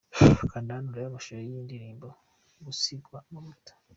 Kanda hano urebe amashusho y'iyi ndirimbo 'Gusigwa amavuta' .